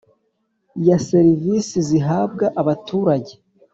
Ya serivisi zihabwa abaturage